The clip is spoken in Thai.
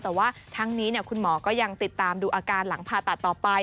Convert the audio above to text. แต่ว่าทั้งนี้คุณหมอก็ยังติดตามดูอาการหลังผ่าตัดต่อไป